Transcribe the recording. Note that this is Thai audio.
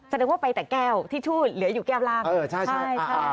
สำหรับไปแต่แก้วทิชชูเหลืออยู่แก้วลำ